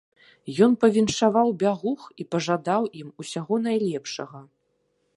Ён павіншаваў бягух і пажадаў ім усяго найлепшага.